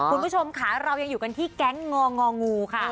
คุณผู้ชมค่ะเรายังอยู่กันที่แก๊งงององูค่ะ